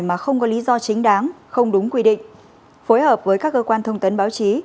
mà không có lý do chính đáng không đúng quy định phối hợp với các cơ quan thông tấn báo chí